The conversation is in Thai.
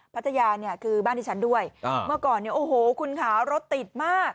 พัทยาเนี่ยคือบ้านที่ฉันด้วยเมื่อก่อนเนี่ยโอ้โหคุณค่ะรถติดมาก